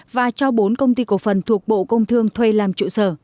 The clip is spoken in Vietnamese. và cho bốn công ty cổ phần thuộc bộ công thương thuê làm trụ sở